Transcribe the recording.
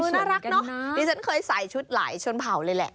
น่ารักเนอะดิฉันเคยใส่ชุดหลายชนเผาเลยแหละ